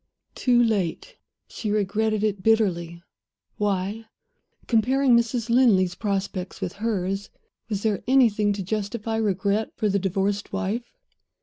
too late! She regretted it bitterly. Why? Comparing Mrs. Linley's prospects with hers, was there anything to justify regret for the divorced wife?